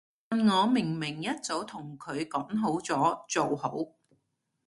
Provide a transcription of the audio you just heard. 但我明明一早同佢講好咗，做好